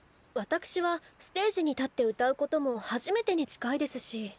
わたくしはステージに立って歌うことも初めてに近いですし。